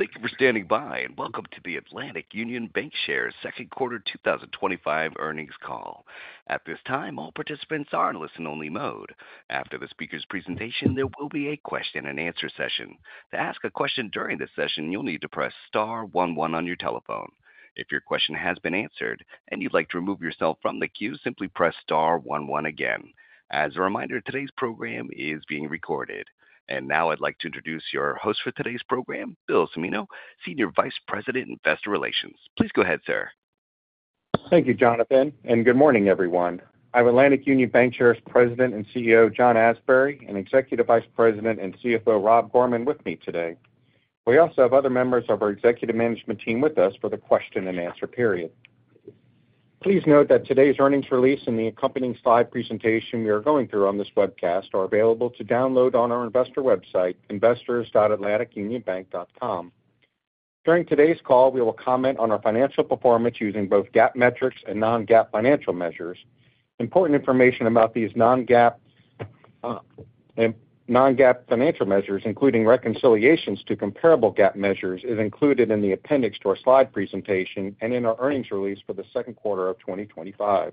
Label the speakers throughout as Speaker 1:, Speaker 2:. Speaker 1: Thank you for standing by and welcome to the Atlantic Union Bancshares Second Quarter twenty twenty five Earnings Call. At this time, all participants are in a listen only mode. After the speakers' presentation, there will be a question and answer session. As a reminder, today's program is being recorded. And now I'd like to introduce your host for today's program, Bill Cimino, Senior Vice President, Investor Relations. Please go ahead, sir.
Speaker 2: Thank you, Jonathan, and good morning, everyone. I have Atlantic Union Bankshares' President and CEO, John Asbury and Executive Vice President and CFO, Rob Gorman, with me today. We also have other members of our executive management team with us for the question and answer period. Please note that today's earnings release and the accompanying slide presentation we are going through on this webcast are available to download on our investor website, investors.atlanticunionbank.com. During today's call, we will comment on our financial performance using both GAAP metrics and non GAAP financial measures. Important information about these non GAAP financial measures, including reconciliations to comparable GAAP measures, is included in the appendix to our slide presentation in our earnings release for the second quarter of twenty twenty five.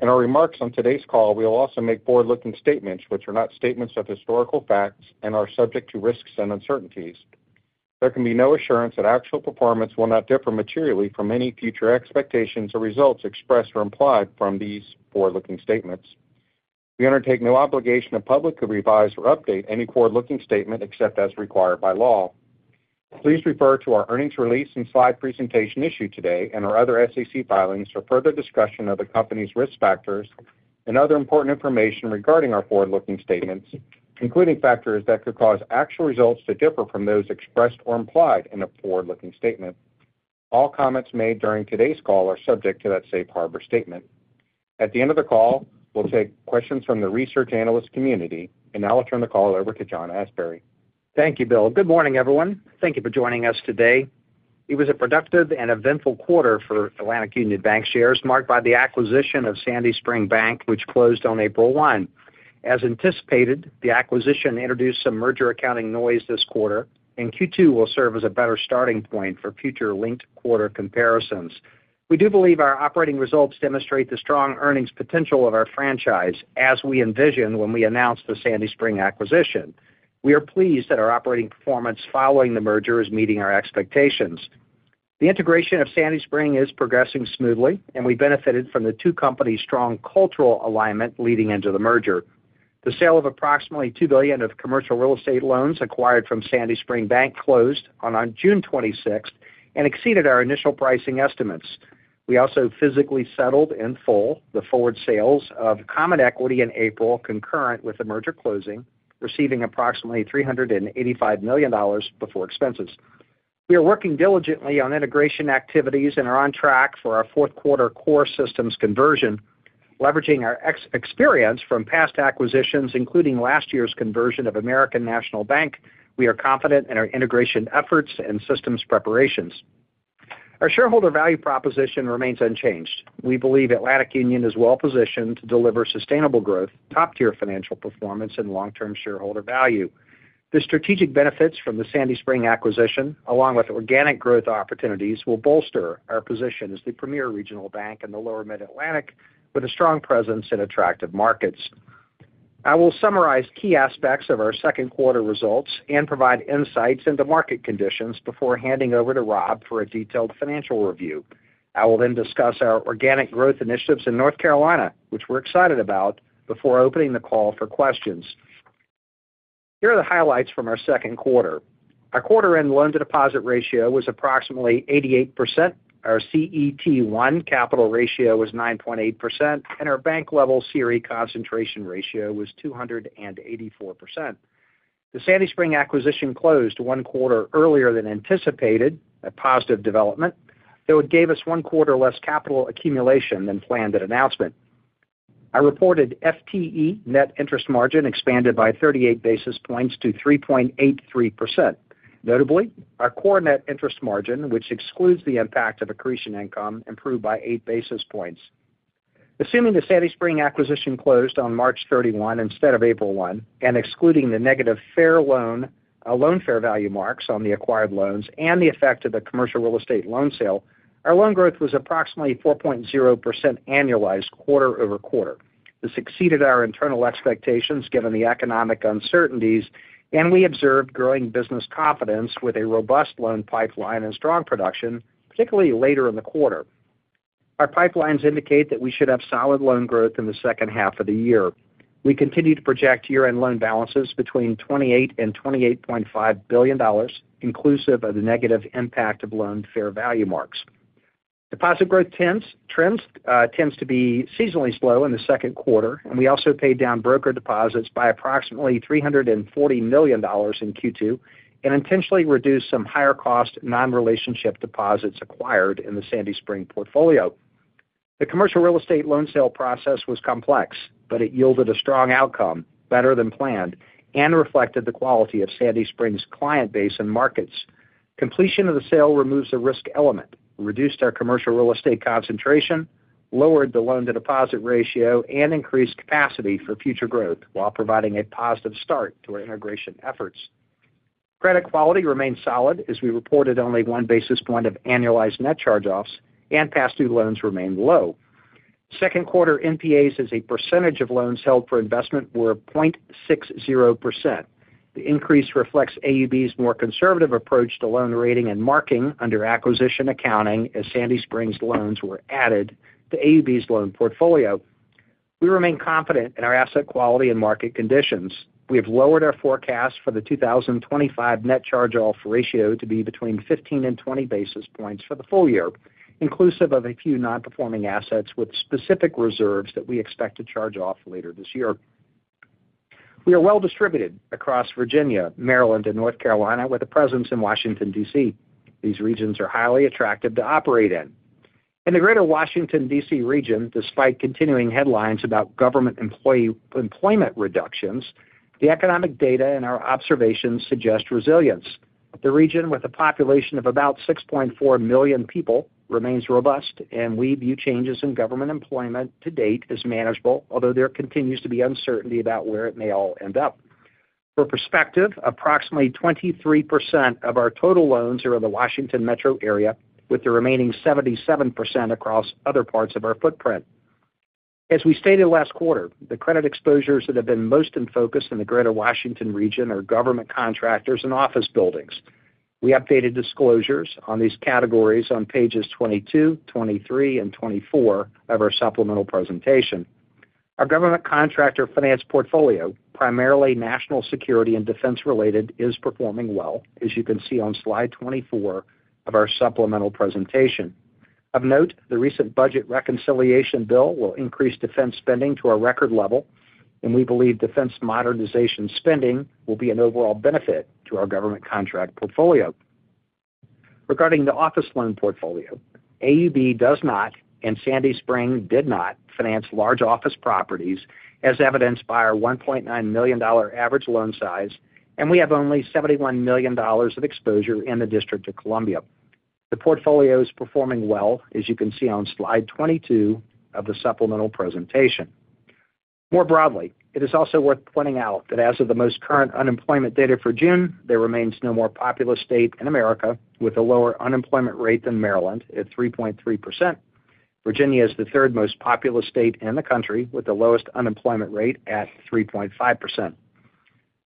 Speaker 2: In our remarks on today's call, we will also make forward looking statements, which are not statements of historical facts and are subject to risks and uncertainties. There can be no assurance that actual performance will not differ materially from any future expectations or results expressed or implied from these forward looking statements. We undertake no obligation to publicly revise or update any forward looking statement except as required by law. Please refer to our earnings release and slide presentation issued today and our other SEC filings for further discussion of the company's risk factors and other important information regarding our forward looking statements, including factors that could cause actual results to differ from those expressed or implied in the forward looking statement. All comments made during today's call are subject to that Safe Harbor statement. At the end of the call, we'll take questions from the research analyst community. And now I'll turn the call over to John Asbury.
Speaker 3: Thank you, Bill. Good morning, everyone. Thank you for joining us today. It was a productive and eventful quarter for Atlantic Union Bank shares marked by the acquisition of Sandy Spring Bank, which closed on April 1. As anticipated, the acquisition introduced some merger accounting noise this quarter and Q2 will serve as a better starting point for future linked quarter comparisons. We do believe our operating results demonstrate the strong earnings potential of our franchise as we envisioned when we announced the Sandy Spring acquisition. We are pleased that our operating performance following the merger is meeting our expectations. The integration of Sandy Spring is progressing smoothly and we benefited from the two companies strong cultural alignment leading into the merger. The sale of approximately $2,000,000,000 of commercial real estate loans acquired from Sandy Spring Bank closed on June 26 and exceeded our initial pricing estimates. We also physically settled in full the forward sales of common equity in April concurrent with the merger closing, receiving approximately $385,000,000 before expenses. We are working diligently on integration activities and are on track for our fourth quarter core systems conversion, leveraging our experience from past acquisitions, including last year's conversion of American National Bank, we are confident in our integration efforts and systems preparations. Our shareholder value proposition remains unchanged. We believe Atlantic Union is well positioned to deliver sustainable growth, top tier financial performance and long term shareholder value. The strategic benefits from the Sandy Spring acquisition along with organic growth opportunities will bolster our position as the premier regional bank in the Lower Mid Atlantic with a strong presence in attractive markets. I will summarize key aspects of our second quarter results and provide insights into market conditions before handing over to Rob for a detailed financial review. I will then discuss our organic growth initiatives in North Carolina, which we're excited about before opening the call for questions. Here are the highlights from our second quarter. Our quarter end loan to deposit ratio was approximately 88%, Our CET1 capital ratio was 9.8% and our bank level CRE concentration ratio was 284%. The Sandy Spring acquisition closed one quarter earlier than anticipated, a positive development, though it gave us one quarter less capital accumulation than planned at announcement. Our reported FTE net interest margin expanded by 38 basis points to 3.83%. Notably, our core net interest margin, which excludes the impact of accretion income, improved by eight basis points. Assuming the Sandy Spring acquisition closed on March 31 instead of April 1 and excluding the negative fair loan loan fair value marks on the acquired loans and the effect of the commercial real estate loan sale, our loan growth was approximately 4% annualized quarter over quarter. This exceeded our internal expectations given the economic uncertainties and we observed growing business confidence with a robust loan pipeline and strong production, particularly later in the quarter. Our pipelines indicate that we should have solid loan growth in the second half of the year. We continue to project year end loan balances between 28,000,000,000 and $28,500,000,000 inclusive of the negative impact of loan fair value marks. Deposit growth tends to be seasonally slow in the second quarter, and we also paid down broker deposits by approximately $340,000,000 in Q2 and intentionally reduced some higher cost non relationship deposits acquired in the Sandy Spring portfolio. The commercial real estate loan sale process was complex, but it yielded a strong outcome better than planned and reflected the quality of Sandy Springs client base and markets. Completion of the sale removes the risk element, reduced our commercial real estate concentration, lowered the loan to deposit ratio and increased capacity for future growth, while providing a positive start to our integration efforts. Credit quality remained solid as we reported only one basis point of annualized net charge offs and past due loans remained low. Second quarter NPAs as a percentage of loans held for investment were 0.6%. The increase reflects AUB's more conservative approach to loan rating and marking under acquisition accounting as Sandy Springs loans were added to AUB's loan portfolio. We remain confident in our asset quality and market conditions. We have lowered our forecast for the 2025 net charge off ratio to be between fifteen and twenty basis points for the full year, inclusive of a few non performing assets with specific reserves that we expect to charge off later this year. We are well distributed across Virginia, Maryland and North Carolina with a presence in Washington DC. These regions are highly attractive to operate in. In the Greater Washington DC region, despite continuing headlines about government employee employment reductions, the economic data and our observations suggest resilience. The region with a population of about 6,400,000 people remains robust and we view changes in government employment to date as manageable, although there continues to be uncertainty about where it may all end up. For perspective, approximately 23% of our total loans are in the Washington Metro Area, with the remaining 77% across other parts of our footprint. As we stated last quarter, the credit exposures that have been most in focus in the Greater Washington region are government contractors and office buildings. We updated disclosures on these categories on pages 22, twenty three and twenty four of our supplemental presentation. Our government contractor finance portfolio, primarily national security and defense related is performing well, as you can see on slide 24 of our supplemental presentation. Of note, the recent budget reconciliation bill will increase defense spending to a record level. And we believe defense modernization spending will be an overall benefit to our government contract portfolio. Regarding the office loan portfolio, AUB does not and Sandy Spring did not finance large office properties as evidenced by our $1,900,000 average loan size, and we have only $71,000,000 of exposure in the District Of Columbia. The portfolio is performing well, as you can see on Slide 22 of the supplemental presentation. More broadly, it is also worth pointing out that as of the most current unemployment data for June, there remains no more populous state in America with a lower unemployment rate than Maryland at 3.3. Virginia is the third most populous state in the country with the lowest unemployment rate at 3.5%.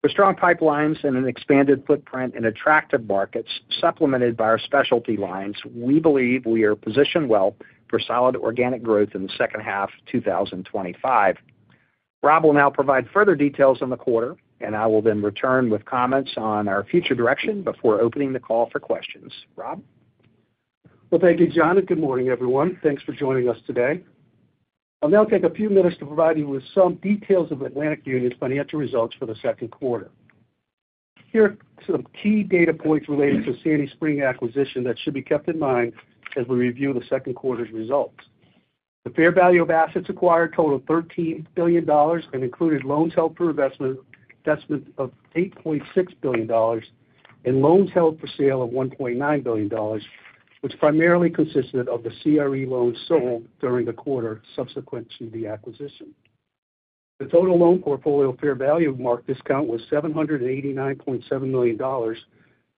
Speaker 3: With strong pipelines and an expanded footprint in attractive markets supplemented by our specialty lines, we believe we are positioned well for solid organic growth in the second half twenty twenty five. Rob will now provide further details on the quarter, and I will then return with comments on our future direction before opening the call for questions. Rob? Well, you, John, and
Speaker 4: good morning, everyone. Thanks for joining us today. I'll now take a few minutes to provide you with some details of Atlantic Union's financial results for the second quarter. Here are some key data points related to Sandy Spring acquisition that should be kept in mind as we review the second quarter's results. The fair value of assets acquired totaled $13,000,000,000 and included loans held for investment of $8,600,000,000 and loans held for sale of $1,900,000,000 which primarily consisted of the CRE loans sold during the quarter subsequent to the acquisition. The total loan portfolio fair value of mark discount was $789,700,000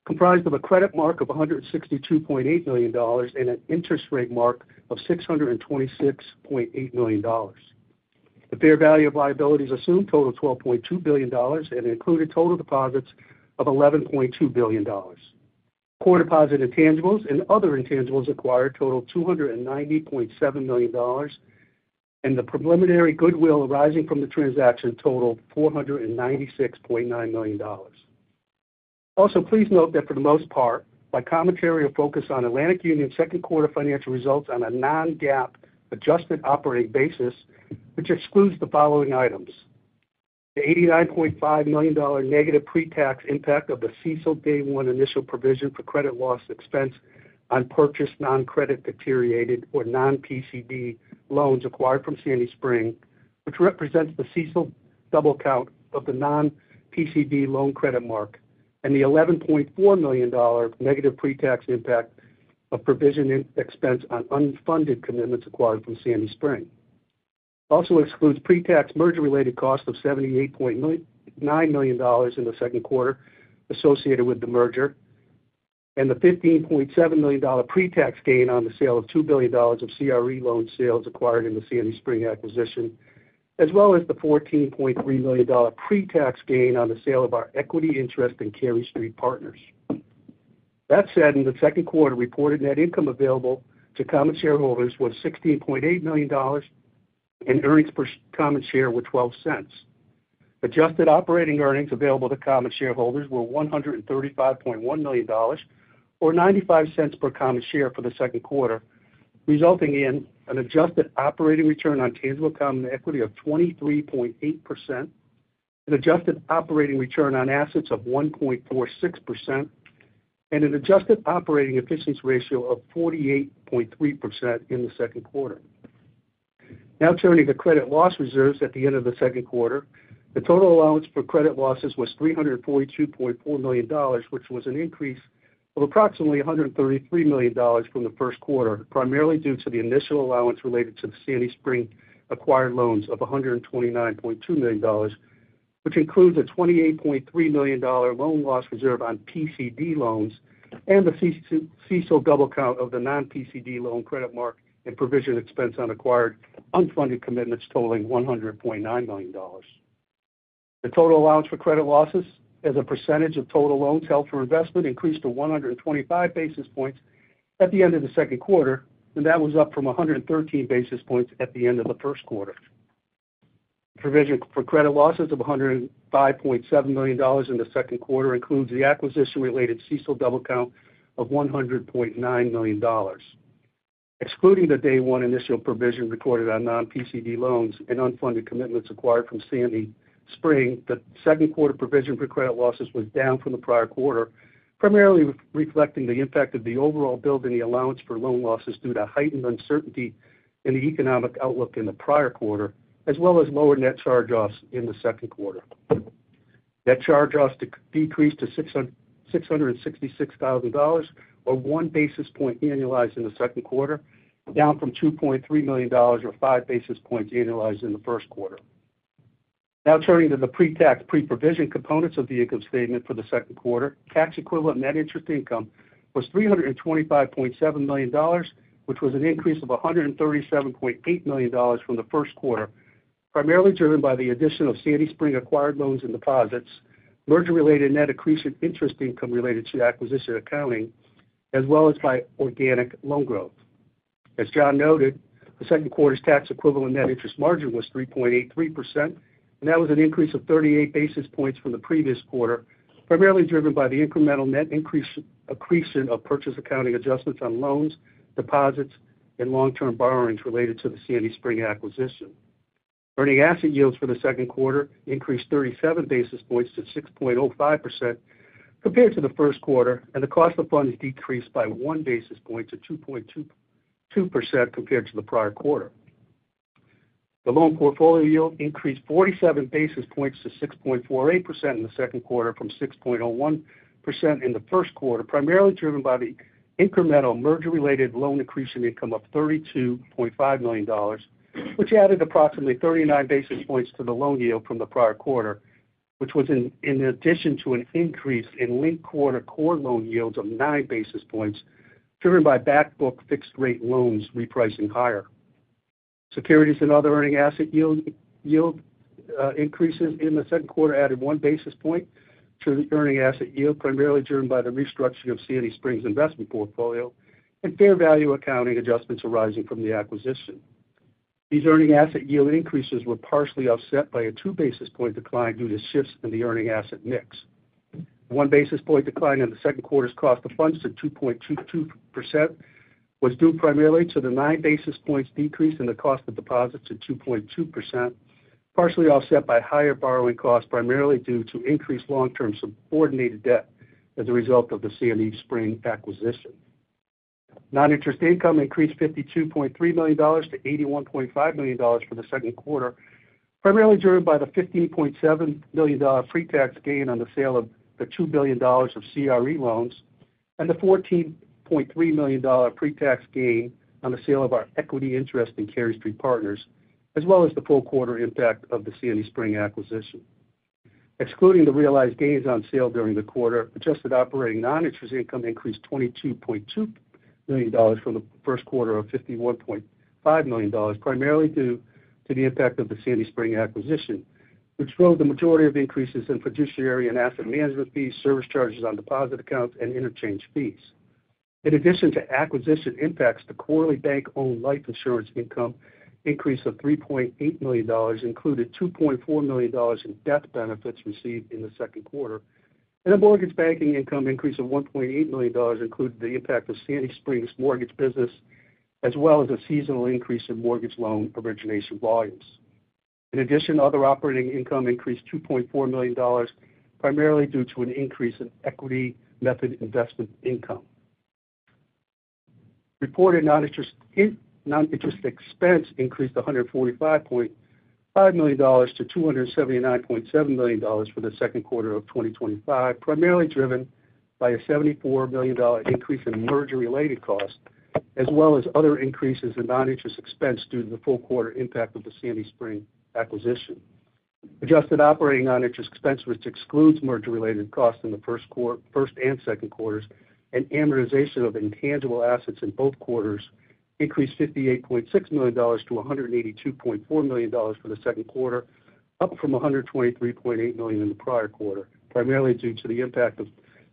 Speaker 4: comprised of a credit mark of $162,800,000 and an interest rate mark of $626,800,000 The fair value of liabilities assumed totaled $12,200,000,000 and included total deposits of $11,200,000,000 Core deposit intangibles and other intangibles acquired totaled $290,700,000 and the preliminary goodwill arising from the transaction totaled $496,900,000 Also, note that for the most part, my commentary or focus on Atlantic Union second quarter financial results on a non GAAP adjusted operating basis, which excludes the following items. The $89,500,000 negative pretax impact of the CECL day one initial provision for credit loss expense on purchased non credit deteriorated or non PCD loans acquired from Sandy Spring, which represents the CECL double count of the non PCD loan credit mark and the $11,400,000 negative pretax impact of provisioning expense on unfunded commitments acquired from Sandy Spring. Also excludes pre tax merger related costs of $78,900,000 in the second quarter associated with the merger and the $15,700,000 pre tax gain on the sale of $2,000,000,000 of CRE loan sales acquired in the Sandy Spring acquisition, as well as the $14,300,000 pre tax gain on the sale of our equity interest in Cary Street Partners. That said, in the second quarter, reported net income available to common shareholders was $16,800,000 and earnings per common share were $0.12 Adjusted operating earnings available to common shareholders were $135,100,000 or $0.95 per common share for the second quarter, resulting in an adjusted operating return on tangible common equity of 23.8%, an adjusted operating return on assets of 1.46% and an adjusted operating efficiency ratio of 48.3% in the second quarter. Now turning to credit loss reserves at the end of the second quarter, the total allowance for credit losses was $342,400,000 which was an increase of approximately $133,000,000 from the first quarter, primarily due to the initial allowance related to the Sandy Spring acquired loans of $129,200,000 which includes a $28,300,000 loan loss reserve on PCD loans and the CECL double count of the non PCD loan credit mark and provision expense on acquired unfunded commitments totaling $100,900,000 The total allowance for credit losses as a percentage of total loans held investment increased to 125 basis points at the end of the second quarter, and that was up from 113 basis points at the end of the first quarter. Provision for credit losses of $105,700,000 in the second quarter includes the acquisition related CECL double count of 100,900,000 Excluding the day one initial provision recorded on non PCD loans and unfunded commitments acquired from Sandy Spring, the second quarter provision for credit losses was down from the prior quarter, primarily reflecting the impact of the overall build in the allowance for loan losses due to heightened uncertainty in the economic outlook in the prior quarter, as well as lower net charge offs in the second quarter. Net charge offs decreased to $666,000 or one basis point annualized in the second quarter, down from $2,300,000 or 5 basis points annualized in the first quarter. Now turning to the pretax pre provision components of the income statement for the second quarter. Tax equivalent net interest income was $325,700,000 which was an increase of $137,800,000 from the first quarter, primarily driven by the addition of Sandy Spring acquired loans and deposits, merger related net accretion interest income related to acquisition accounting as well as by organic loan growth. As John noted, the second quarter's tax equivalent net interest margin was 3.83, that was an increase of 38 basis points from the previous quarter, primarily driven by the incremental net accretion of purchase accounting adjustments on loans, deposits and long term borrowings related to the Sandy Spring acquisition. Earning asset yields for the second quarter increased 37 basis points to 6.05% compared to the first quarter and the cost of funds decreased by one basis point to 2.2% compared to the prior quarter. The loan portfolio yield increased 47 basis points to 6.48% in the second quarter from 6.01% in the first quarter, primarily driven by the incremental merger related loan accretion income of $32,500,000 which added approximately 39 basis points to the loan yield from the prior quarter, which was in addition to an increase in linked quarter core loan yields of nine basis points, driven by back book fixed rate loans repricing higher. Securities and other earning asset yield increases in the second quarter added one basis point to the earning asset yield primarily driven by the restructuring of Sandy Springs investment portfolio and fair value accounting adjustments arising from the acquisition. These earning asset yield increases were partially offset by a two basis point decline due to shifts in the earning asset mix. One basis point decline in the second quarter's cost of funds to 2.22% was due primarily to the nine basis points decrease in the cost of deposits at 2.2%, partially offset by higher borrowing costs primarily due to increased long term subordinated debt as a result of the CME Spring acquisition. Non interest income increased $52,300,000 to $81,500,000 for the second quarter, primarily driven by the $15,700,000 pre tax gain on the sale of the $2,000,000,000 of CRE loans and the $14,300,000 pre tax gain on the sale of our equity interest in Cary Street Partners, as well as the full quarter impact of the Sandy Spring acquisition. Excluding the realized gains on sale during the quarter, adjusted operating non interest income increased $22,200,000 from the first quarter of $51,500,000 primarily due to the impact of the Sandy Spring acquisition, which drove the majority of increases in fiduciary and asset management fees, service charges on deposit accounts and interchange fees. In addition to acquisition impacts, the quarterly bank owned life insurance income increase of $3,800,000 included $2,400,000 in death benefits received in the second quarter. And the mortgage banking income increase of $1,800,000 included the impact of Sandy Springs mortgage business as well as a seasonal increase in mortgage loan origination volumes. In addition, other operating income increased 2,400,000 primarily due to an increase in equity method investment income. Reported non interest expense increased $145,500,000 to $279,700,000 for the second quarter of twenty twenty five, primarily driven by a 74,000,000 increase in merger related costs, as well as other increases in non interest expense due to the full quarter impact of the Sandy Spring acquisition. Adjusted operating non interest expense, which excludes merger related costs in the first quarter first and second quarters and amortization of intangible assets in both quarters increased $58,600,000 to $182,400,000 for the second quarter, up from $123,800,000 in the prior quarter, primarily due to the impact of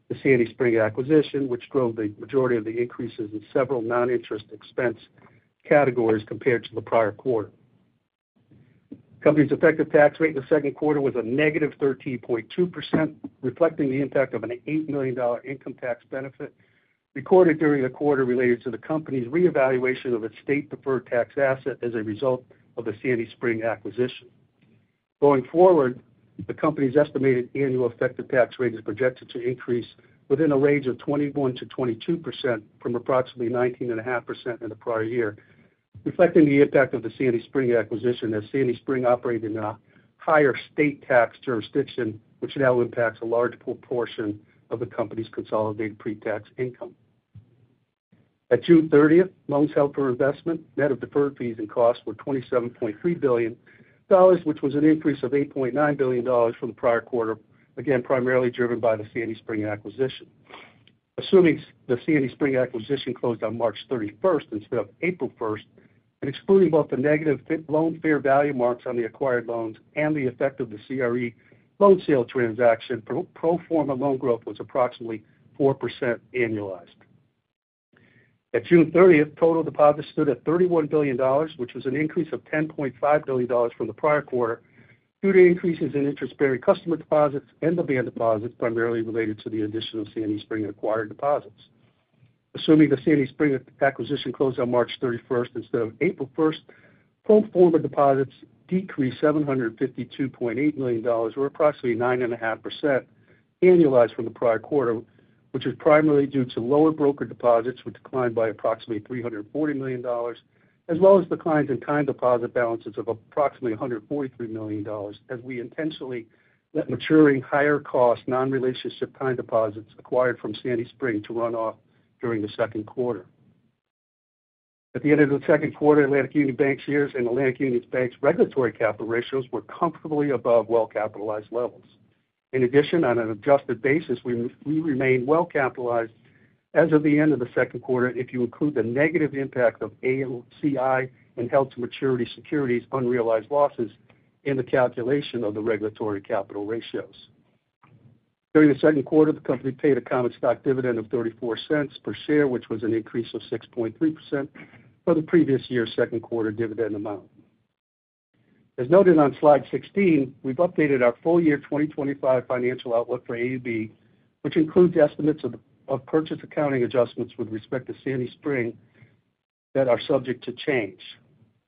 Speaker 4: the Sandy Spring acquisition, which drove the majority of the increases in several non interest expense categories compared to the prior quarter. Company's effective tax rate in the second quarter was a negative 13.2%, reflecting the impact of an $8,000,000 income tax benefit recorded during the quarter related to the company's reevaluation of its state deferred tax asset as a result of the Sandy Spring acquisition. Going forward, the company's estimated annual effective tax rate is projected to increase within a range of 21% to 22% from approximately 19.5% in the prior year, reflecting the impact of the Sandy Spring acquisition as Sandy Spring operate in a higher state tax jurisdiction, which now impacts a large proportion of the company's consolidated pretax income. At June 30, loans held for investment net of deferred fees and costs were $27,300,000,000 which was an increase of $8,900,000,000 from the prior quarter, again primarily driven by the Sandy Spring acquisition. Assuming the Sandy Spring acquisition closed on March 31 instead of April 1, and excluding both the negative loan fair value marks on the acquired loans and the effect of the CRE loan sale transaction pro form a loan growth was approximately 4% annualized. At June 30, total deposits stood at $31,000,000,000 which was an increase of $10,500,000,000 from the prior quarter due to increases in interest bearing customer deposits and demand deposits primarily related to the addition of Sandy Spring acquired deposits. Assuming the Sandy Spring acquisition closed on March 31 instead of April 1, pro form a deposits decreased $752,800,000 or approximately 9.5% annualized from the prior quarter, which is primarily due to lower brokered deposits, which declined by approximately $340,000,000 as well as declines in time deposit balances of approximately $143,000,000 as we intentionally let maturing higher cost non relationship time deposits acquired from Sandy Spring to run off during the second quarter. At the end of the second quarter, Atlantic Union Bank's years and Atlantic Union Bank's regulatory capital ratios were comfortably above well capitalized levels. In addition, on an adjusted basis, we remain well capitalized as of the end of the second quarter if you include the negative impact of ALCI and held to maturity securities unrealized losses in the calculation of the regulatory capital ratios. During the second quarter, the company paid a common stock dividend of $0.34 per share, which was an increase of 6.3% for the previous year's second quarter dividend amount. As noted on Slide 16, we've updated our full year 2025 financial outlook for AUB, which includes estimates of purchase accounting adjustments with respect to Sandy Spring that are subject to change.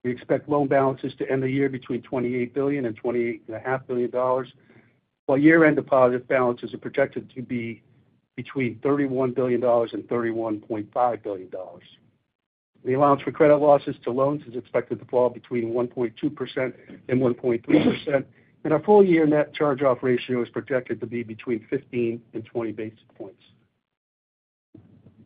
Speaker 4: We expect loan balances to end the year between $28,000,000,000 and $28,500,000,000 while year end deposit balances are projected to be between $31,000,000,000 and $31,500,000,000 The allowance for credit losses to loans is expected to fall between 1.21.3%. And our full year net charge off ratio is projected to be between fifteen and twenty basis points.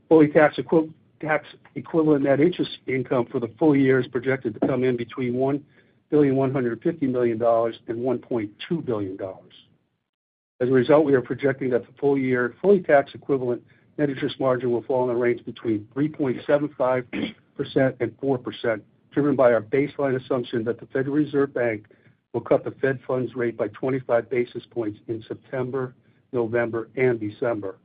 Speaker 4: Fully tax equivalent net interest income for the full year is projected to come in between $1,150,000,000 and $1,200,000,000 As a result, we are projecting that the full year fully tax equivalent net interest margin will fall in the range between 3.754% driven by our baseline assumption that the Federal Reserve Bank will cut the Fed funds rate by 25 basis points in September, November and December.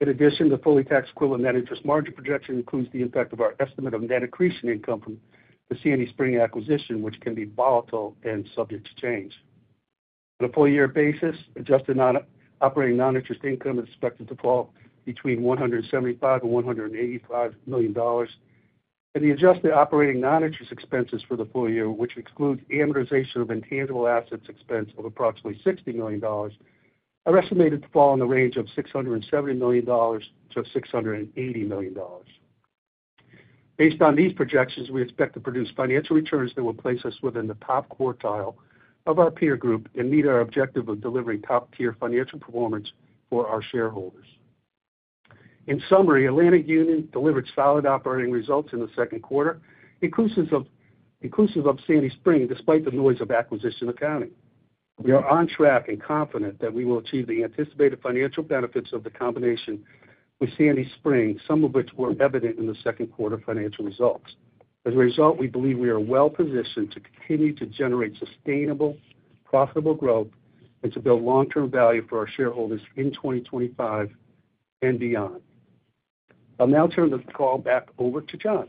Speaker 4: In addition, the fully tax equivalent net interest margin projection includes the impact of our estimate of net accretion income from the C and E Spring acquisition, which can be volatile and subject to change. On a full year basis, adjusted operating non interest income is expected to fall between 175,000,000 and $185,000,000 and the adjusted operating non interest expenses for the full year, which excludes amortization of intangible assets expense of approximately $60,000,000 are estimated to fall in the range of $670,000,000 to $680,000,000 Based on these projections, we expect to produce financial returns that will place us within the top quartile of our peer group and meet our objective of delivering top tier financial performance for our shareholders. In summary, Atlantic Union delivered solid operating results in the second quarter, inclusive of Sandy Spring despite the noise of acquisition accounting. We are on track and confident that we will achieve the anticipated financial benefits of the combination with Sandy Spring, some of which were evident in the second quarter financial results. As a result, we believe we are well positioned to continue to generate sustainable, profitable growth and to build long term value for our shareholders in 2025 and beyond. I'll now turn the call back over to John.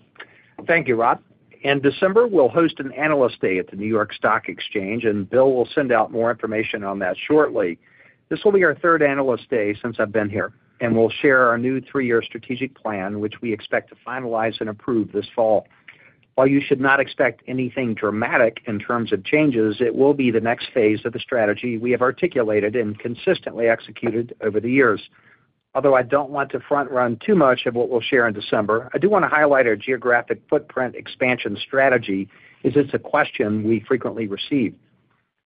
Speaker 3: Thank you, Rob. In December, we'll host an Analyst Day at the New York Stock Exchange and Bill will send out more information on that shortly. This will be our third Analyst Day since I've been here And we'll share our new three year strategic plan, which we expect to finalize and approve this fall. While you should not expect anything dramatic in terms of changes, it will be the next phase of the strategy we have articulated and consistently executed over the years. Although I don't want to front run too much of what we'll share in December, I do want to highlight our geographic footprint expansion strategy, because it's a question we frequently receive.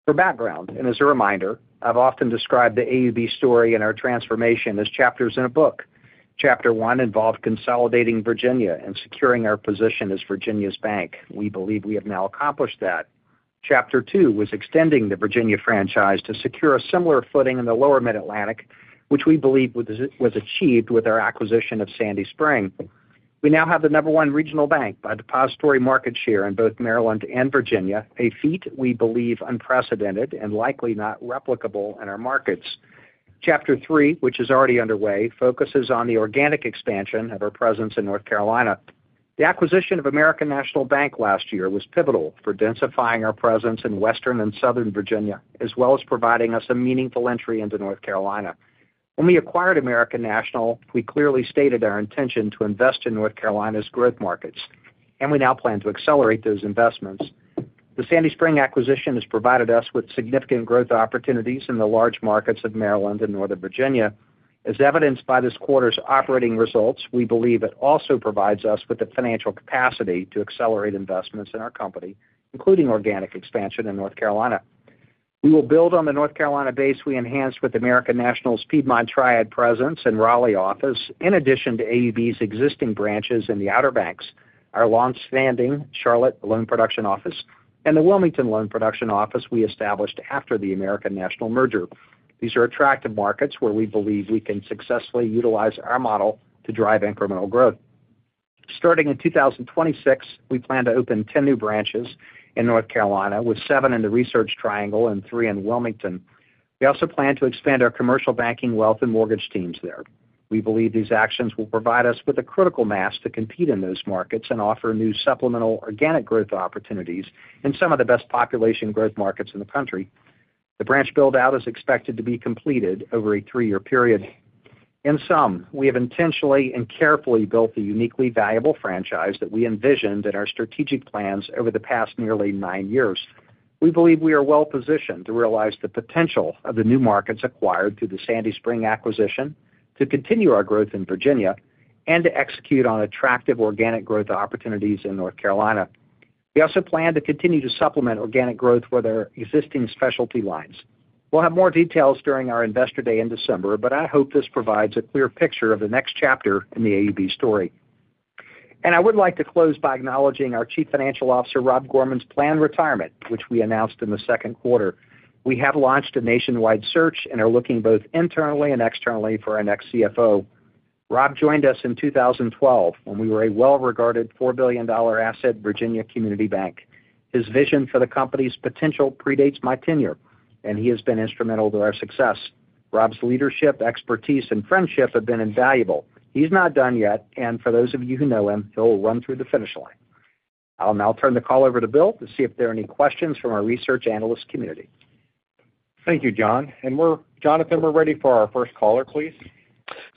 Speaker 3: For background, and as a reminder, I've often described the AUV story and our transformation as chapters in a book. Chapter one involved consolidating Virginia and securing our position as Virginia's bank. We believe we have now accomplished that. Chapter two was extending the Virginia franchise to secure a similar footing in the Lower Mid Atlantic, which we believe was achieved with our acquisition of Sandy Spring. We now have the number one regional bank by depository market share in both Maryland and Virginia, a feat we believe unprecedented and likely not replicable in our markets. Chapter three, which is already underway, focuses on the organic expansion of our presence in North Carolina. The acquisition of American National Bank last year was pivotal for densifying our presence in Western And Southern Virginia, as well as providing us a meaningful entry into North Carolina. We acquired American National, we clearly stated our intention to invest in North Carolina's growth markets and we now plan to accelerate those investments. The Sandy Spring acquisition has provided us with significant growth opportunities in the large markets of Maryland and Northern Virginia. As evidenced by this quarter's operating results, we believe it also provides us with the financial capacity to accelerate investments in our company, including organic expansion in North Carolina. We will build on the North Carolina base we enhanced with American National's Piedmont Triad presence and Raleigh office in addition to AUB's existing branches in the Outer Banks, our longstanding Charlotte Loan Production Office and the Wilmington Loan Production Office we established after the American National merger. These are attractive markets where we believe we can successfully utilize our model to drive incremental growth. Starting in 2026, we plan to open 10 new branches in North Carolina with seven in the Research Triangle and three in Wilmington. We also plan to expand our commercial banking wealth and mortgage teams there. We believe these actions will provide us with a critical mass to compete in those markets and offer new supplemental organic growth opportunities in some of the best population growth markets in the country. The branch build out is expected to be completed over a three year period. In sum, we have intentionally and carefully built a uniquely valuable franchise that we envisioned in our strategic plans over the past nearly nine years. We believe we are well positioned to realize the potential of the new markets acquired through the Sandy Spring acquisition to continue our growth in Virginia and to execute on attractive organic growth opportunities in North Carolina. Also plan to continue to supplement organic growth with our existing specialty lines. We'll have more details during our Investor Day in December, but I hope this provides a clear picture of the next chapter in the AUB story. And I would like to close by acknowledging our Chief Financial Officer, Rob Gorman's planned retirement, which we announced in the second quarter. We have launched a nationwide search and are looking both internally and externally for our next CFO. Rob joined us in 2012, when we were a well regarded $4,000,000,000 asset Virginia Community Bank. His vision for the company's potential predates my tenure, and he has been instrumental to our success. Rob's leadership, expertise and friendship have been invaluable. He's not done yet. And for those of you who know him, he'll run through the finish line. I'll now turn the call over to Bill to see if there are any questions from our research analyst community. Thank you, John. And we're, Jonathan, we're ready for our first caller, please.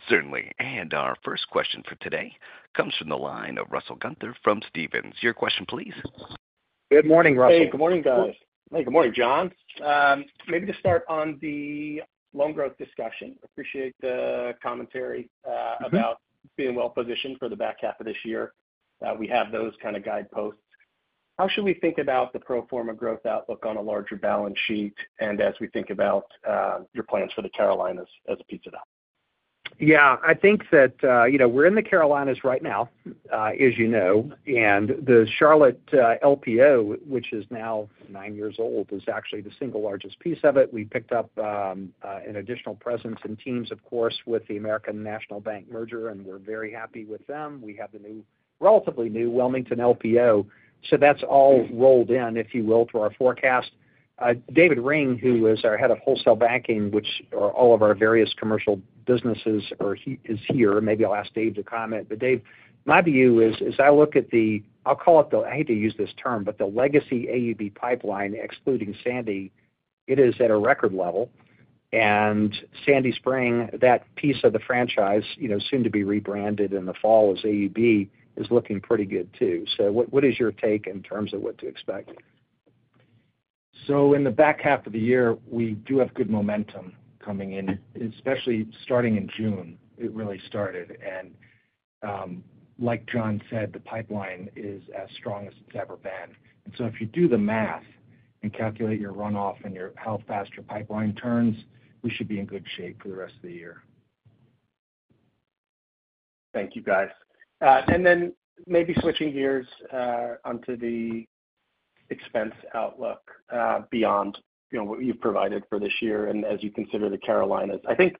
Speaker 1: Certainly. And our first question for today comes from the line of Russell Gunther from Stephens. Your question, please.
Speaker 3: Good morning, Russell.
Speaker 5: Hey, good morning, Hey, good morning, John. Maybe to start on the loan growth discussion. Appreciate the commentary, about being well positioned for the back half of this year. We have those kind of guideposts. How should we think about the pro form a growth outlook on a larger balance sheet and as we think about your plans for The Carolinas as a piece of that?
Speaker 3: Yes. I think that we're in The Carolinas right now, as you know. And the Charlotte LPO, which is now nine years old, is actually the single largest piece of it. We picked up an additional presence in teams, of course, with the American National Bank merger, and we're very happy with them. We have the new relatively new Wilmington LPO. So that's all rolled in, if you will, to our forecast. David Ring, who is our head of Wholesale Banking, which all of our various commercial businesses is here. Maybe I'll ask Dave to comment. But Dave, my view is, as I look at the I'll call it the I hate to use this term, but the legacy AUB pipeline excluding Sandy, it is at a record level. And Sandy Spring, that piece of the franchise, soon to be rebranded in the fall as AUB is looking pretty good too. So what is your take in terms of what to expect?
Speaker 6: So in the back half of the year, we do have good momentum coming in, especially starting in June, it really started. And like John said, the pipeline is as strong as it's ever been. And so if you do the math and calculate your runoff and your health faster pipeline turns, we should be in good shape for the rest of the year.
Speaker 5: Thank you, guys. And then maybe switching gears onto the expense outlook beyond what you've provided for this year and as you consider the Carolinas. I think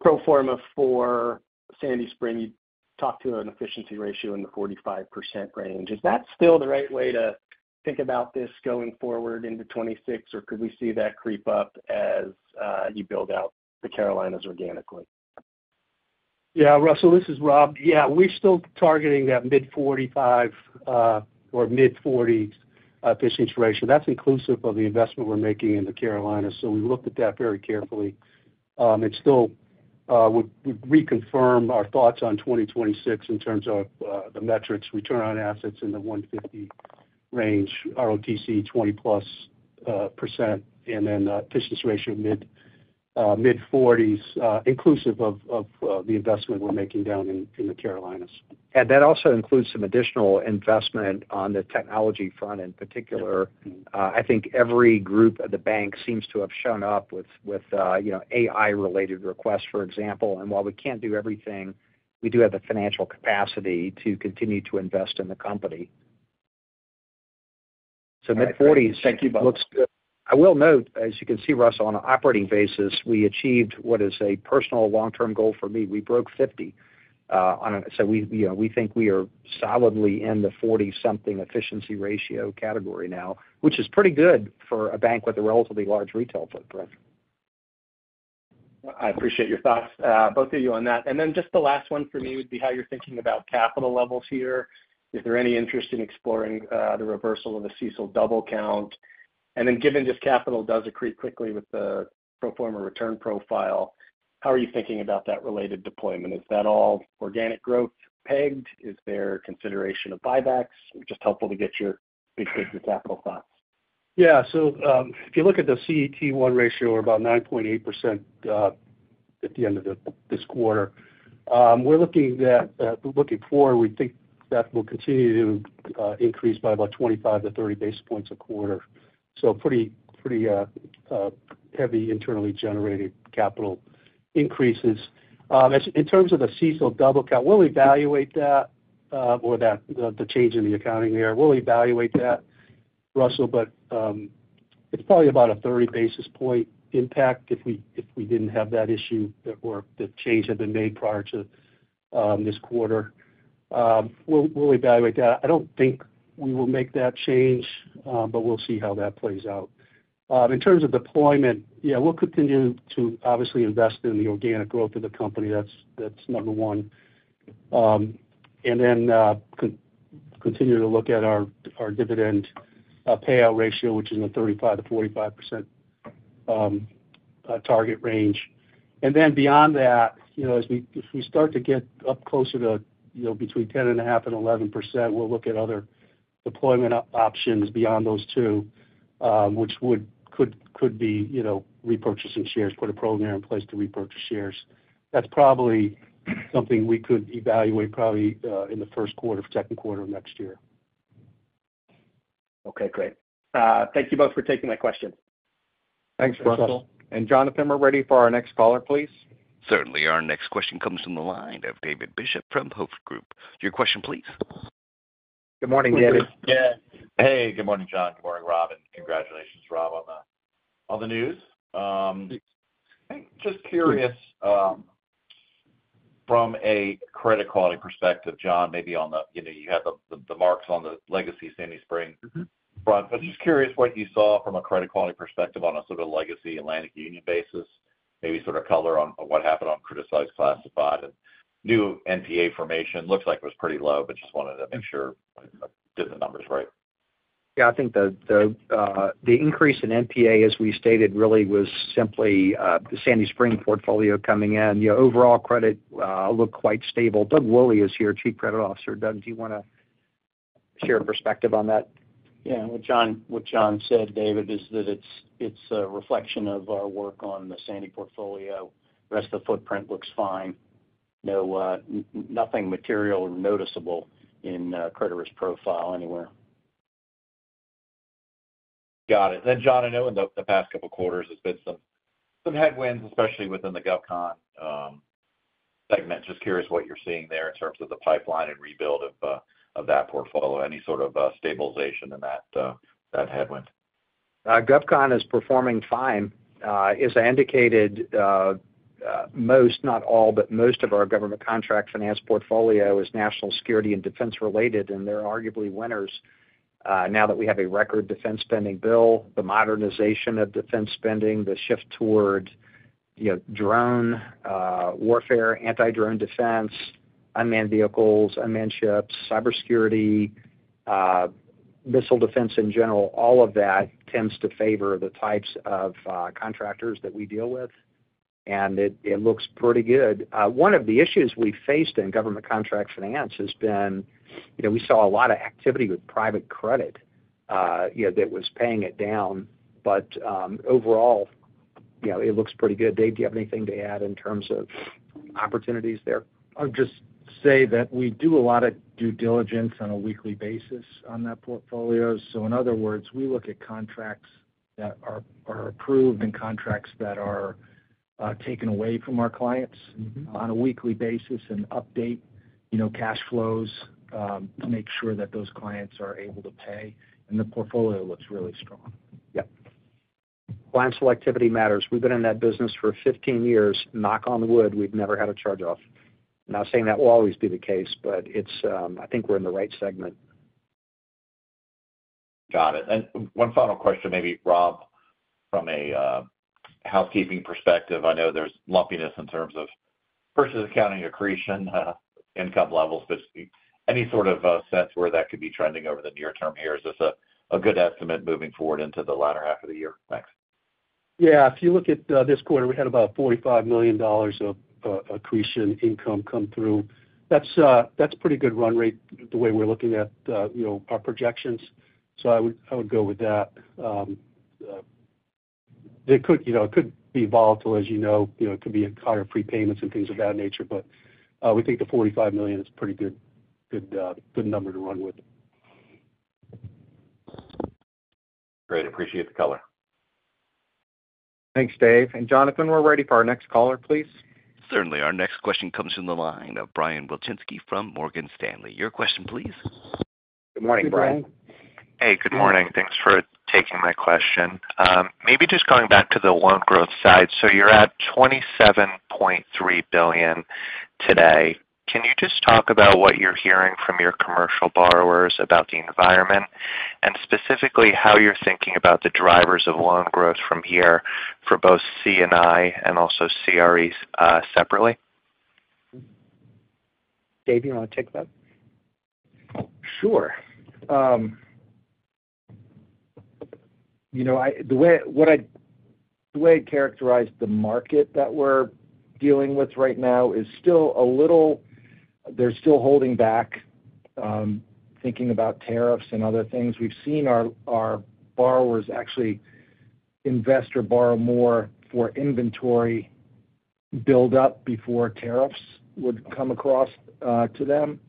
Speaker 5: pro form a for Sandy Spring you talked to an efficiency ratio in the 45% range. Is that still the right way to think about this going forward into 2026 or could we see that creep up as you build out the Carolinas organically?
Speaker 4: Yeah, Russell, this is Rob. Yeah, we're still targeting that mid 45 mid 40 efficiency ratio. That's inclusive of the investment we're making in The Carolinas. So we looked at that very carefully. It still would reconfirm our thoughts on 2026 in terms of the metrics return on assets in the 150 range ROTC 20 plus percent and then the business ratio mid 40s inclusive of the investment we're making down in The Carolinas.
Speaker 3: And that also includes some additional investment on the technology front in particular. I think every group of the bank seems to have shown up with AI related requests, for example. And while we can't do everything, we do have the financial capacity to continue to invest in the company. So mid-40s looks good. I will note, as you can see, Russell, on an operating basis, we achieved what is a personal long term goal for me. We broke 50. So we think we are solidly in the 40 something efficiency ratio category now, which is pretty good for a bank with a relatively large retail footprint.
Speaker 5: I appreciate your thoughts, both of you on that. And then just the last one for me would be how you're thinking about capital levels here. Is there any interest in exploring the reversal of the CECL double count? And then given this capital does accrete quickly with the pro form a return profile, how are you thinking about that related deployment? Is that all organic growth pegged? Is there consideration of buybacks? Just helpful to get your big business capital thoughts.
Speaker 4: Yes. So if you look at the CET1 ratio, we're about 9.8% at the end of this quarter. We're looking forward, we think that will continue to increase by about 25 to 30 basis points a quarter. So pretty heavy internally generated capital increases. In terms of the CECL double count, we'll evaluate that or that the change in the accounting there. We'll evaluate that, Russell, but it's probably about a 30 basis point impact if we didn't have that issue or the change had been made prior to this quarter. We'll evaluate that. I don't think we will make that change, but we'll see how that plays out. In terms of deployment, yes, we'll continue to obviously invest in the organic growth of the company. That's number one. And then continue to look at our dividend payout ratio, which is in the 35% to 45% target range. And then beyond that, as we start to get up closer to between 10.511%, we'll look at other deployment options beyond those two, which would could be repurchasing shares, put a program in place to repurchase shares. That's probably something we could evaluate probably in the first quarter of second quarter of next year.
Speaker 5: Okay, great.
Speaker 3: Thank you both for taking my question. Russell. And Jonathan, we're ready for our next caller please.
Speaker 1: Certainly. Our next question comes from the line of David Bishop from Hope Group. Your question please.
Speaker 3: Morning David. Hey,
Speaker 7: good morning John. Good morning Rob and congratulations Rob on the news. Just curious from a credit quality perspective, John, maybe on the you have the marks on the legacy Sandy Spring front. But just curious what you saw from a credit quality perspective on a sort of legacy Atlantic Union basis, maybe sort of color on what happened on criticized, classified and new NPA formation. Looks like it was pretty low, but just wanted to make sure did the numbers right.
Speaker 3: Yes, think the increase in NPA, as we stated, really was simply the Sandy Spring portfolio coming in. The overall credit looked quite stable. Doug Woolley is here, Chief Credit Officer. Doug, do you want to share a perspective on that?
Speaker 8: Yes. What John said, David, is that it's a reflection of our work on the Sandy portfolio. Rest of footprint looks fine. No, nothing material noticeable in a creditor's profile anywhere.
Speaker 7: Got it. Then John, know in the past couple quarters, there's been
Speaker 3: some headwinds,
Speaker 7: especially within the GovCon segment. Just curious what you're seeing there in terms of the pipeline and rebuild of that portfolio, any sort of stabilization in that headwind?
Speaker 3: GovCon is performing fine. As I indicated, most, not all, but most of our government contract finance portfolio is national security and defense related, and they're arguably winners. Now that we have a record defense spending bill, the modernization of defense spending, the shift toward drone warfare, anti drone defense, unmanned vehicles, unmanned ships, cybersecurity, missile defense in general, all of that tends to favor the types of contractors that we deal with. And it looks pretty good. One of the issues we faced in government contract finance has been, you know, we saw a lot of activity with private credit, you know, that was paying it down. But overall, you know, it looks pretty good. Dave, do you have anything to add in terms of opportunities there?
Speaker 6: I'll just say that we do a lot of due diligence on a weekly basis on that portfolio. So in other words, we look at contracts that are approved and contracts that are taken away from our clients on a weekly basis and update cash flows to make sure that those clients are able to pay and the portfolio looks really strong. Yep.
Speaker 3: Client selectivity matters. We've been in that business for fifteen years. Knock on wood, we've never had a charge off. Not saying that will always be the case, but it's, I think we're in the right segment.
Speaker 7: Got it. And one final question, maybe Rob, from a housekeeping perspective. I know there's lumpiness in terms of purchase accounting accretion income levels, any sort of sense where that could be trending over the near term here? Is this a good estimate moving forward into the latter half of the year? Thanks.
Speaker 4: Yes. If you look at this quarter, we had about $45,000,000 of accretion income come through. That's pretty good run rate the way we're looking at our projections. So I would go with that. It could be volatile as you know, it could be a card of prepayments and things of that nature. But we think the $45,000,000 is pretty good number to run with.
Speaker 7: Great. Appreciate the color.
Speaker 3: Thanks, Dave. And Jonathan, we're ready for our next caller, please.
Speaker 1: Certainly. Our next question comes from the line of Brian Wilczynski from Morgan Stanley. Your question, please.
Speaker 3: Morning, Hey,
Speaker 9: good morning. Thanks for taking my question. Maybe just going back to the loan growth side. So you're at $27,300,000,000 today. Can you just talk about what you're hearing from your commercial borrowers about the environment? And specifically how you're thinking about the drivers of loan growth from here for both C and I and also CREs separately?
Speaker 3: Dave, want to take that?
Speaker 6: Sure. The way I characterize the market that we're dealing with right now is still a little they're still holding back thinking about tariffs and other things. We've seen our borrowers actually investor borrow more for inventory buildup before tariffs would come across to them.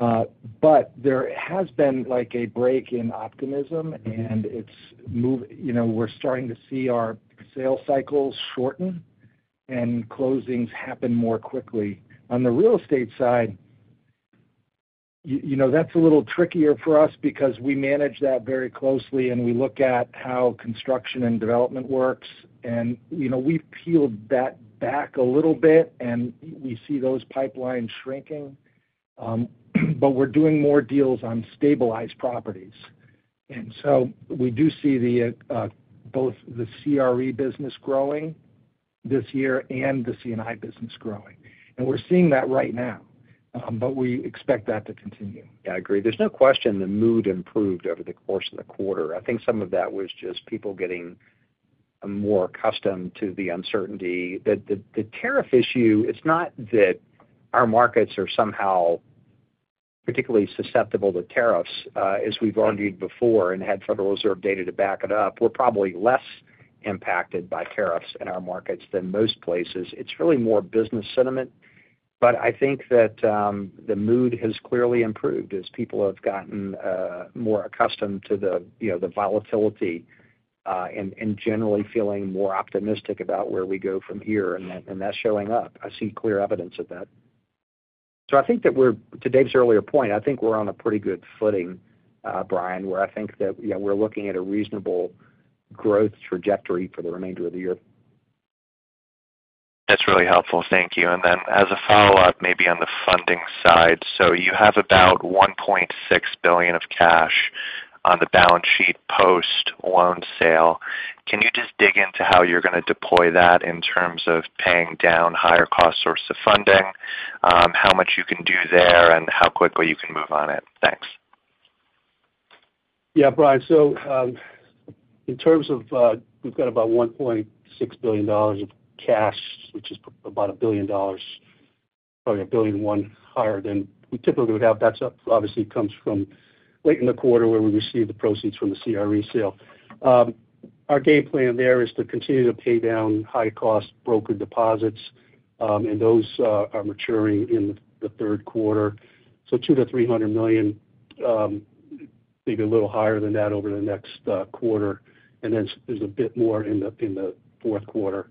Speaker 6: But there has been like a break in optimism and it's move we're starting to see our sales cycles shorten and closings happen more quickly. On the real estate side, that's a little trickier for us because we manage that very closely and we look at how construction and development works. And we peeled that back a little bit and we see those pipelines shrinking. But we're doing more deals on stabilized properties. And so we do see the both the CRE business growing this year and the C and I business growing. And we're seeing that right now. But we expect that to continue. Yeah, I agree.
Speaker 3: There's no question the mood improved over the course of the quarter. I think some of that was just people getting more accustomed to the uncertainty. The tariff issue, it's not that our markets are somehow particularly susceptible to tariffs as we've argued before and had Federal Reserve data to back it up, we're probably less impacted by tariffs in our markets than most places. It's really more business sentiment. But I think that the mood has clearly improved as people have gotten more accustomed to the volatility and generally feeling more optimistic about where we go from here and that's showing up. I see clear evidence of that. So I think that we're, to Dave's earlier point, I think we're on a pretty good footing, Brian, where I think that we're looking at a reasonable growth trajectory for the remainder of the year.
Speaker 9: That's really helpful. Thank you. And then as a follow-up, maybe on the funding side. So you have about $1,600,000,000 of cash on the balance sheet post loan sale. Can you just dig into how you're going to deploy that in terms of paying down higher cost sources of funding? How much you can do there? And how quickly you can move on it? Thanks.
Speaker 4: Yes, Brian. So in terms of we've got about $1,600,000,000 of cash, which is about $1,000,000,000 probably $1.1 higher than we typically would have. That's obviously comes from late in the quarter where we received the proceeds from the CRE sale. Our game plan there is to continue to pay down high cost brokered deposits, and those are maturing in the third quarter. $200 to $300,000,000 maybe a little higher than that over the next quarter. And then there's a bit more in the fourth quarter.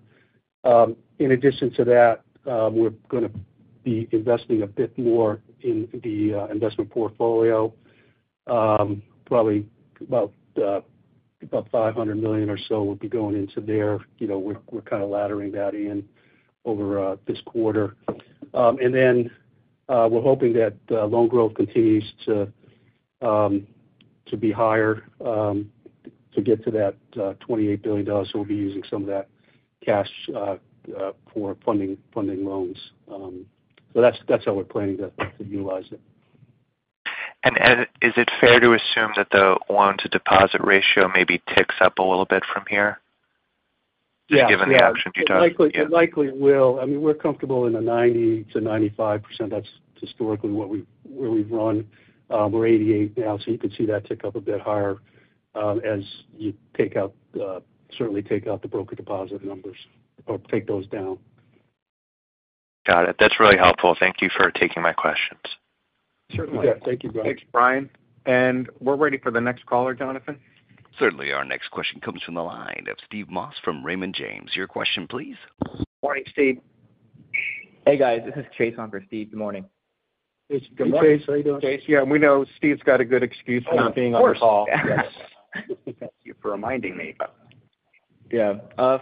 Speaker 4: In addition to that, we're going to be investing a bit more in the investment portfolio, probably about $500,000,000 or so would be going into there. We're kind of laddering that in over this quarter. And then we're hoping that loan growth continues to be higher to get to that $28,000,000,000 So we'll be using some of that cash for funding loans. So that's how we're planning to utilize it.
Speaker 9: And is it fair to assume that the loan to deposit ratio maybe ticks up a little bit from here? Yes, given the option to do
Speaker 4: it will. I mean, we're comfortable in the 90 percent to 95%. That's historically where we've run. We're 88% now. So you can see that tick up a bit higher as you take out certainly take out the broker deposit numbers or take those down.
Speaker 9: Got it. That's really helpful. Thank you for taking my questions.
Speaker 4: Certainly. Thank you, Brian.
Speaker 3: Thanks, Brian. And we're ready for the next caller, Jonathan.
Speaker 1: Certainly. Our next question comes from the line of Steve Moss from Raymond James. Your question, please.
Speaker 3: Good morning, Steve.
Speaker 10: Hey, guys. This is Chase on for Steve. Good morning.
Speaker 4: Hey, good morning. Are you doing?
Speaker 3: Chase, yeah. We know Steve's got a good excuse for being on
Speaker 4: the call.
Speaker 5: Thank you for reminding me.
Speaker 10: Yeah.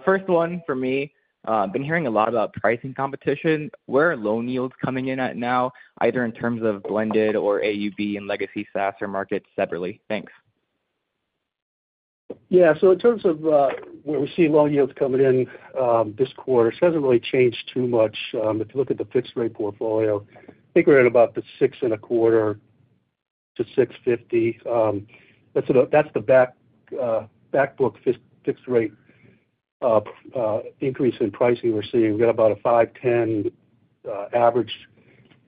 Speaker 10: First one for me, I've been hearing a lot about pricing competition. Where are loan yields coming in at now, either in terms of blended or AUB and legacy SaaS or markets separately? Thanks.
Speaker 4: Yes. So in terms of where we see loan yields coming in this quarter, it hasn't really changed too much. If you look at the fixed rate portfolio, I think we're at about the 6.25% to 6.5 That's the back book fixed rate increase in pricing we're seeing. We've about a 5.1%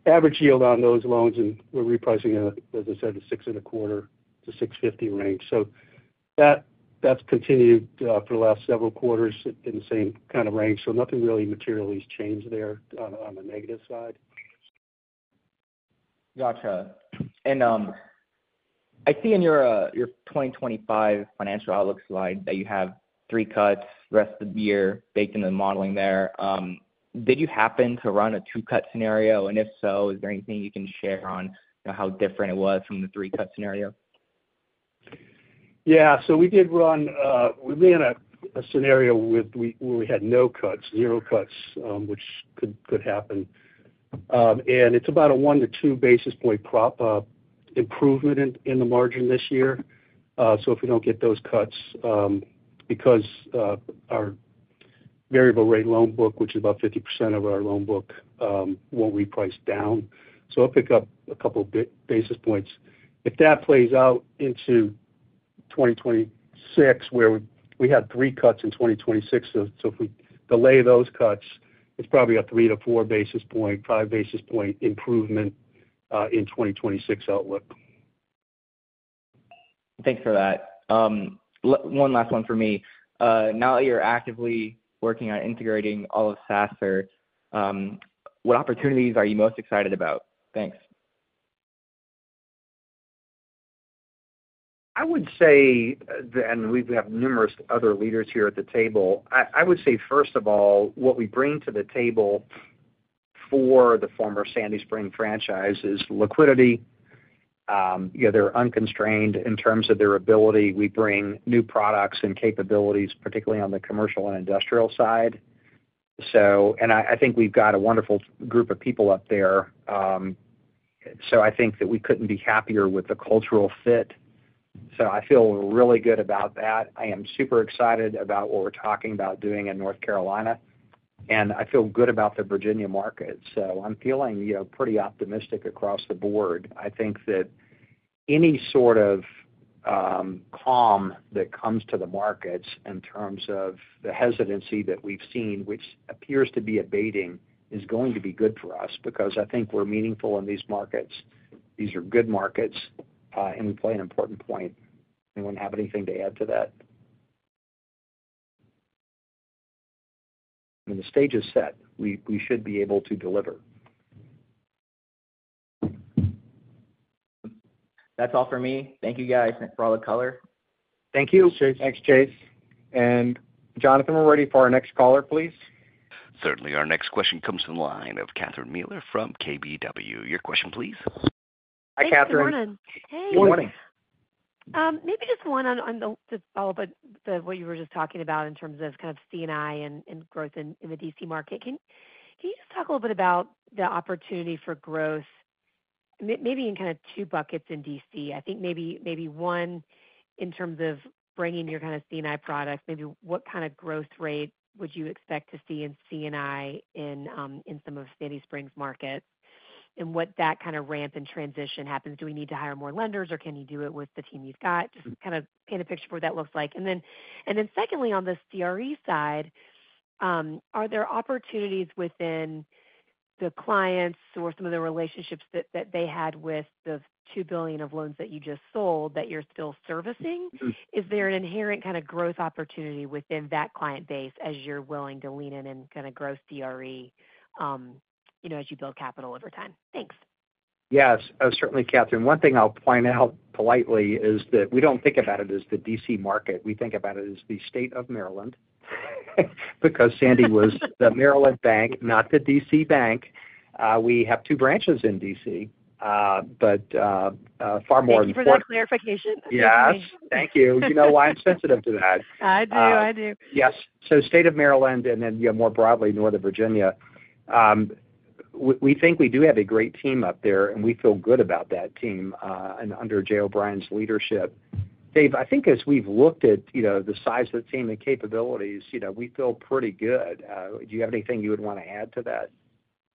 Speaker 4: average yield on those loans and we're repricing, as I said, the 6.25% to 6.5 range. So that's continued for the last several quarters in the same kind of range. So nothing really materially has changed there on negative side.
Speaker 10: Gotcha. And I see in your, your 2025 financial outlook slide that you have three cuts rest of year baked in the modeling there. Did you happen to run a two cut scenario? And if so, is there anything you can share on how different it was from the three cut scenario?
Speaker 4: Yes. So we did run we've been in a scenario where we had no cuts, zero cuts, which could happen. And it's about a one to two basis point improvement in the margin this year. So if we don't get those cuts, because our variable rate loan book, which is about 50% of our loan book, will reprice down. So it'll pick up a couple of basis points. If that plays out into 2026, where we had three cuts in 2026, if we delay those cuts, it's probably a three to four basis point, five basis point improvement in 2026 outlook.
Speaker 10: Thanks for that. One last one for me. Now you're actively working on integrating all of SASS, what opportunities are you most excited about? Thanks.
Speaker 3: I would say that and we have numerous other leaders here at the table. I I would say, first of all, what we bring to the table for the former Sandy Spring franchise is liquidity. They're unconstrained in terms of their ability. We bring new products and capabilities, particularly on the commercial and industrial side. So and I think we've got a wonderful group of people up there. So I think that we couldn't be happier with the cultural fit. So I feel really good about that. I am super excited about what we're talking about doing in North Carolina. And I feel good about the Virginia market. So I'm feeling pretty optimistic across the board. I think that any sort of calm that comes to the markets in terms of the hesitancy that we've seen, which appears to be abating, is going to be good for us. Because I think we're meaningful in these markets. These are good markets and we play an important point. Anyone have anything to add to that? And the stage is set. We we should be able to deliver.
Speaker 10: That's all for me. Thank you guys for all the color.
Speaker 3: Thank you. Thanks, Chase. Thanks, Chase. And Jonathan we're ready for our next caller please.
Speaker 1: Certainly our next question comes from the line of Catherine Mealor from KBW. Your question please.
Speaker 3: Hi Catherine.
Speaker 11: Good morning. Hey.
Speaker 3: Good morning.
Speaker 11: Maybe just one on the follow-up what you were just talking about in terms of kind of C and I and growth in the DC market. You just talk a little bit about the opportunity for growth maybe in kind of two buckets in DC? I think maybe one in terms of bringing your kind of C and I products, maybe what kind of growth rate would you expect to see in C and I in some of Sandy Springs markets and what that kind of ramp and transition happens. Do we need to hire more lenders or can you do it with the team you've got? Just kind of paint a picture for what that looks like. And secondly on the CRE side, are there opportunities within the clients or some of the relationships that they had with the 2,000,000,000 of loans that you just sold that you're still servicing. Is there an inherent kind of growth opportunity within that client base as you're willing to lean in and kind of grow CRE as you build capital over time? Thanks.
Speaker 3: Yes, certainly Catherine. One thing I'll point out politely is that we don't think about it as the DC market, we think about it as the state of Maryland. Because Sandy was the Maryland bank, not the DC bank. We have two branches in DC, far more
Speaker 11: than Thank you for that clarification.
Speaker 3: Yes, thank you. You know why I'm sensitive to that.
Speaker 11: I do, I do.
Speaker 3: Yes, so state of Maryland and then more broadly Northern Virginia. We think we do have a great team up there and we feel good about that team and under Jay O'Brien's leadership. Dave, I think as we've looked at the size of the team and capabilities, we feel pretty good. Do you have anything you would want to add to that?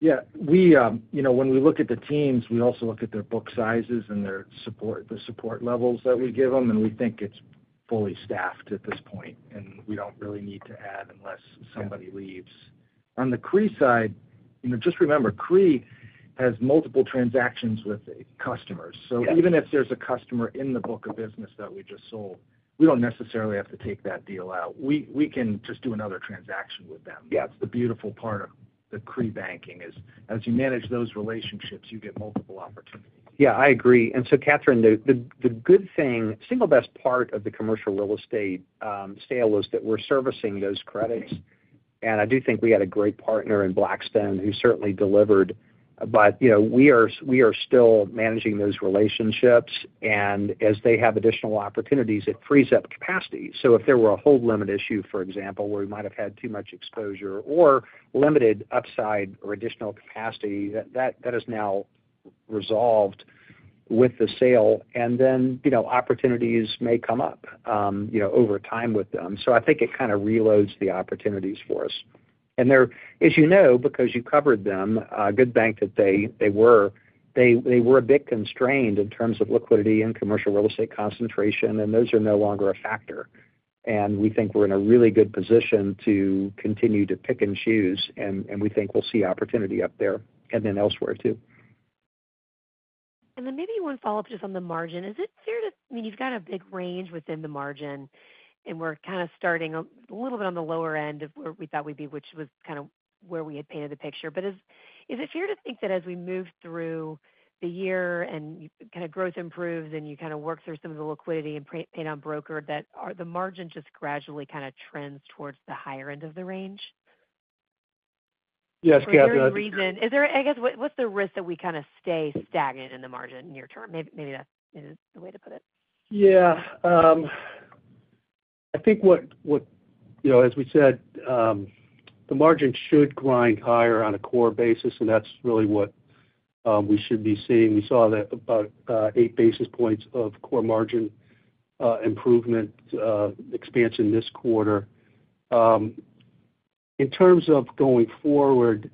Speaker 6: Yeah, when we look at the teams, we also look at their book sizes and their support, the support levels that we give them and we think it's fully staffed at this point and we don't really need to add unless somebody leaves. On the CRE side, just remember CRE has multiple transactions with customers. So even if there's a customer in the book of business that we just sold, we don't necessarily have to take that deal out. We can just do another transaction with them. That's the beautiful part of the CRE banking is as you manage those relationships, you get multiple opportunities.
Speaker 3: Yeah, I agree. And so Catherine, good thing, single best part of the commercial real estate sale was that we're servicing those credits. And I do think we had a great partner in Blackstone who certainly delivered. But we are still managing those relationships. And as they have additional opportunities, it frees up capacity. So if there were a hold limit issue, for example, where we might have had too much exposure or limited upside or additional capacity, is now resolved with the sale. And then opportunities may come up over time with them. So I think it kind of reloads the opportunities for us. And there, as you know, because you covered them, good bank that they were a bit constrained in terms of liquidity and commercial real estate concentration, and those are no longer a factor. And we think we're in a really good position to continue to pick and choose, and we think we'll see opportunity up there and then elsewhere too.
Speaker 11: And then maybe one follow-up just on the margin. Is it fair to, I mean, you've got a big range within the margin and we're kinda starting a little bit on the lower end of where we thought we'd be, which was kinda where we had painted the picture. Is it fair to think that as we move through the year and kind of growth improves and you kind of work through some of the liquidity and pay down brokered that the margin just gradually kind of trends towards the higher end of the range? What's the risk that we kind of stay stagnant in the margin near term? Maybe that's the way to put it.
Speaker 4: Yeah. I think what as we said, the margin should grind higher on a core basis and that's really what we should be seeing. We saw that about eight basis points of core margin improvement expansion this quarter. In terms of going forward,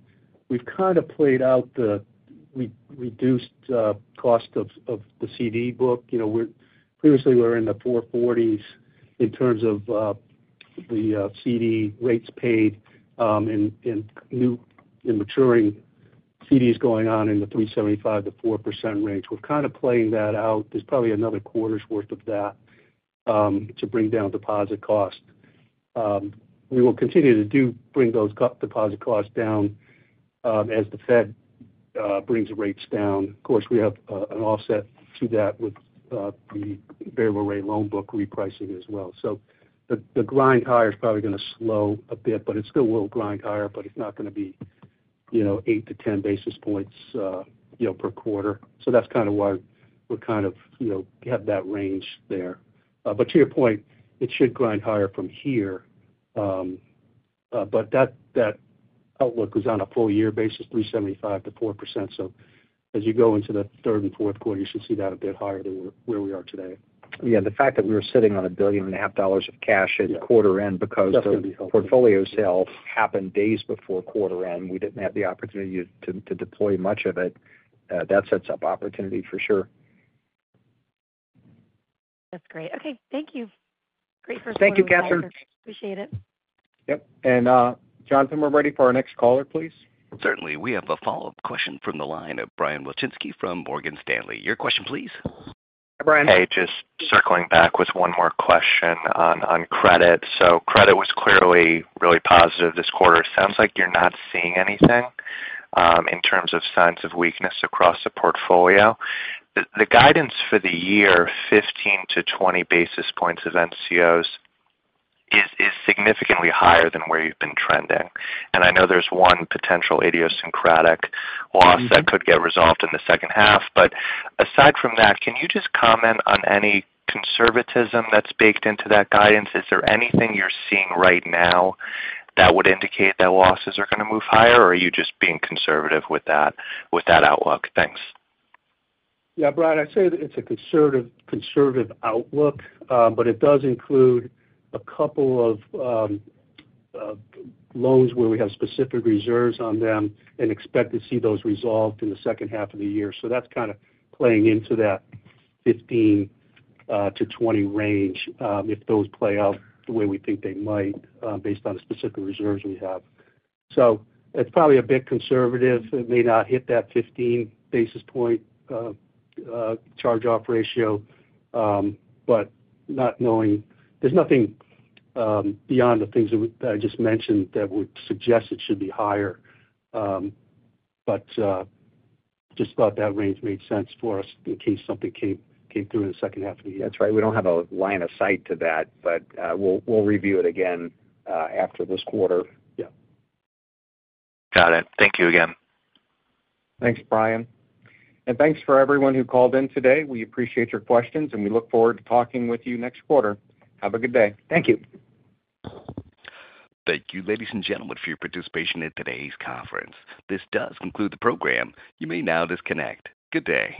Speaker 4: we've kind of played out the reduced cost of the CD book. Previously, we're in the 440s in terms of the CD rates paid and maturing CDs going on in the 3.75% to 4% range. We're kind of playing that out. There's probably another quarter's worth of that to bring down deposit costs. We will continue to do bring those deposit costs down as the Fed brings rates down. Of course, we have an offset to that with the variable rate loan book repricing as well. So the grind higher is probably going to slow a bit, but it's still a little grind higher, but it's not going to be eight to 10 basis points per quarter. So that's kind of why we're kind of have that range there. But to your point, it should grind higher from here. But that outlook was on a full year basis, 3.75% to 4%. So as you go into the third and fourth quarter, you should see that a bit higher than where we are today.
Speaker 3: Yeah. The fact that we were sitting on 1,000,000,000 point dollars of cash at quarter end because of portfolio sales happened days before quarter end. We didn't have the opportunity to deploy much of it. That sets up opportunity for sure.
Speaker 11: That's great. Okay, thank you. Great first one.
Speaker 4: Thank you, Katherine.
Speaker 11: Appreciate it.
Speaker 3: Yep. And Jonathan, we're ready for our next caller, please.
Speaker 1: Certainly. We have a follow-up question from the line of Brian Wiltzinski from Morgan Stanley. Your question, please.
Speaker 9: Hi, Hey, just circling back with one more question on credit. So credit was clearly really positive this quarter. It sounds like you're not seeing anything in terms of signs of weakness across the portfolio. The guidance for the year, 15 to 20 basis points of NCOs, is significantly higher than where you've been trending. And I know there's one potential idiosyncratic loss that could get resolved in the second half. But aside from that, can you just comment on any conservatism that's baked into that guidance? Is there anything you're seeing right now that would indicate that losses are going to move higher? Are you just being conservative with that outlook? Thanks.
Speaker 4: Yes, Brian, I'd say that it's a conservative outlook, but it does include a couple of loans where we have specific reserves on them and expect to see those resolved in the second half of the year. So that's kind of playing into that 15 to 20 range, if those play out the way we think they might based on the specific reserves we have. So it's probably a bit conservative. It may not hit that 15 basis point charge off ratio. But not knowing there's nothing beyond the things that I just mentioned that would suggest it should be higher. But just thought that range made sense for us in case something came through in the second half of
Speaker 3: the year. That's right. We don't have a line of sight to that, but we'll review it again after this quarter.
Speaker 9: Got it. Thank you again.
Speaker 3: Thanks, Brian. And thanks for everyone who called in today. We appreciate your questions and we look forward to talking with you next quarter. Have a good day. Thank you.
Speaker 1: Thank you, ladies and gentlemen, your participation in today's conference. This does conclude the program. You may now disconnect. Good day.